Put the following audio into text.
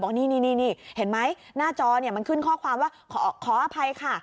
บอกนี่นี่นี่นี่เห็นไหมหน้าจอเนี้ยมันขึ้นข้อความว่าขออภัยค่ะ